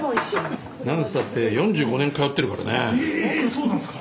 そうなんですか？